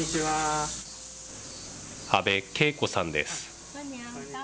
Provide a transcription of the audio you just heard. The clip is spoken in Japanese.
安倍恵子さんです。